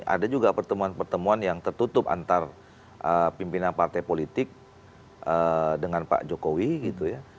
ada juga pertemuan pertemuan yang tertutup antar pimpinan partai politik dengan pak jokowi gitu ya